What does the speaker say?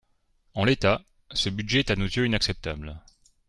En l’état, ce budget est à nos yeux inacceptable.